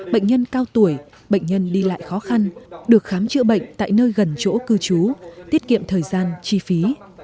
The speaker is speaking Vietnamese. bệnh nhân cao tuổi bệnh nhân đi lại khó khăn được khám chữa bệnh tại nơi gần chỗ cư trú tiết kiệm thời gian chi phí